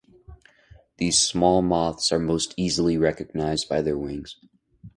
These small moths are most easily recognized by their wings.